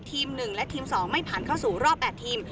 ๑และทีม๒ไม่ผ่านเข้าสู่รอบ๘ทีม